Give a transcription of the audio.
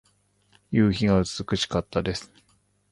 夕日が美しかったです。